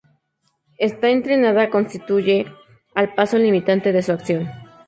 Esta entrada constituye el paso limitante de su acción.